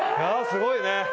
すごいね。